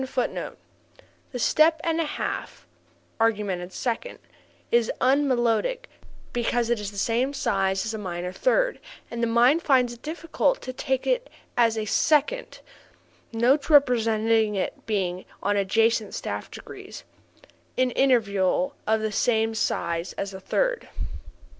[Footnote 15: The step and a half (augmented second) is "unmelodic" because it is the same size as a minor third and the mind finds it difficult to take in as a second (notes representing it being on adjacent staff degrees) an interval of the same size as a third.